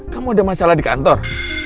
kamu ada masalah di kantor